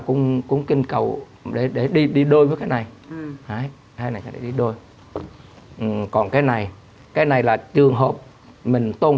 cũng kinh cầu để đi đôi với cái này hay này đi đôi còn cái này cái này là trường hợp mình tôn